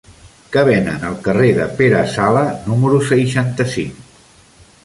Què venen al carrer de Pere Sala número seixanta-cinc?